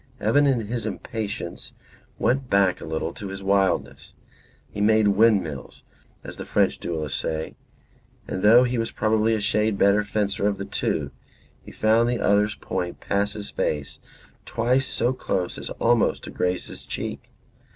Evan, in his impatience, went back a little to his wildness. He made windmills, as the French duellists say, and though he was probably a shade the better fencer of the two, he found the other's point pass his face twice so close as almost to graze his cheek.